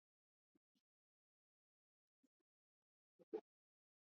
la jamhuri chini ya rais mtendaji Eneo